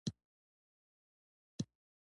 نامګذارې يې له بټې ګوتې څخه پیل کړل.